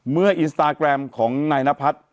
เมื่ออินสตาร์แกรมของนายนพัฒน์